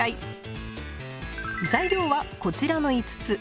材料はこちらの５つ。